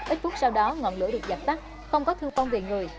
ít phút sau đó ngọn lửa được dập tắt không có thương vong về người